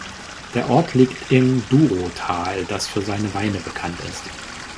Der Ort liegt im Douro-Tal, das für seine Weine bekannt ist.